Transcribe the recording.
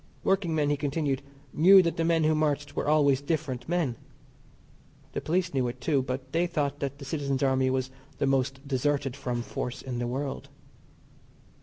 Workingmen, he continued, knew that the men who marched were always different men. The police knew it, too, but they thought that the Citizens Army was the most deserted from force in the world.